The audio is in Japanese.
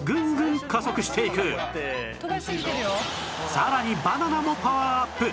さらにバナナもパワーアップ